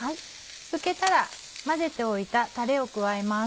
拭けたら混ぜておいたたれを加えます。